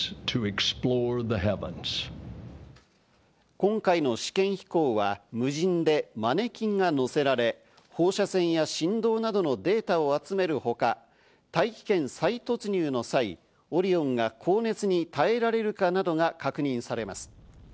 今回の試験飛行は無人で、マネキンが乗せられ、放射線や振動などのデータを集めるほか、大気圏再突入の際、「オリオン」が高熱に耐えられるかなどが確認されます。